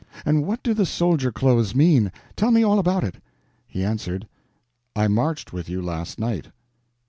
And what do the soldier clothes mean? Tell me all about it." He answered: "I marched with you last night."